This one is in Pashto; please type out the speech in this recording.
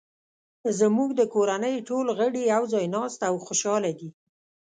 زموږ د کورنۍ ټول غړي یو ځای ناست او خوشحاله دي